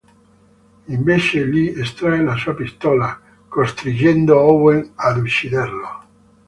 Invece Lee estrae la sua pistola, costringendo Owen ad ucciderlo.